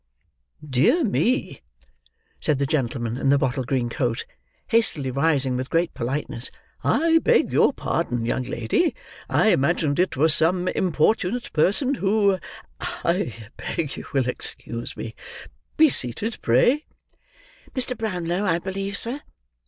"Dear me," said the gentleman, in the bottle green coat, hastily rising with great politeness, "I beg your pardon, young lady—I imagined it was some importunate person who—I beg you will excuse me. Be seated, pray." "Mr. Brownlow, I believe, sir?"